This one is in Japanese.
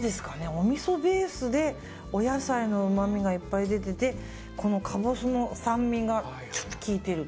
おみそベースでお野菜のうまみがいっぱい出ててかぼすの酸味がちょっと効いている。